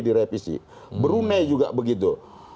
direvisi brunei juga begitu